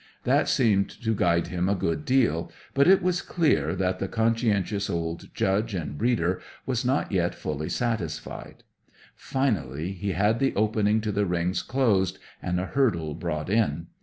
That seemed to guide him a good deal. But it was clear that the conscientious old Judge and breeder was not yet fully satisfied. Finally, he had the opening to the rings closed, and a hurdle brought in.